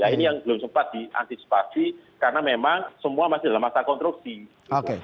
ini yang belum sempat diantisipasi karena memang semua masih dalam masa konstruksi